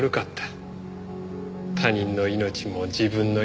他人の命も自分の命も。